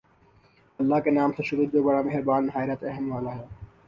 اللہ کے نام سے شروع جو بڑا مہربان نہایت رحم والا ہے